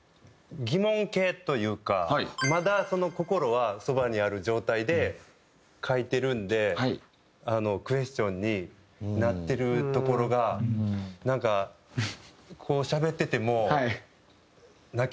まだ心はそばにある状態で書いてるんでクエスチョンになってるところがなんかこうしゃべってても。